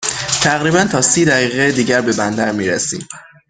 تقریباً تا سی دقیقه دیگر به بندر می رسیم.